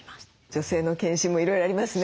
女性の健診もいろいろありますね。